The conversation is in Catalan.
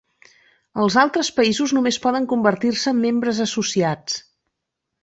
Els d'altres països només poden convertir-se en membres associats.